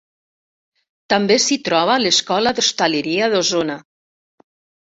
També s'hi troba l'Escola d'Hostaleria d'Osona.